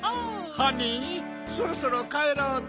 ハニーそろそろかえろうか。